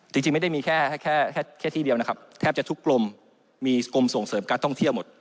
จริงไม่ได้มีแค่แค่ที่เดียวนะครับแทบจะทุกกรมมีกรมส่งเสริมการท่องเที่ยวหมด